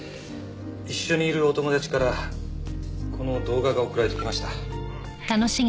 一緒にいるお友達からこの動画が送られてきました。